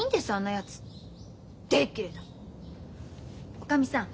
おかみさん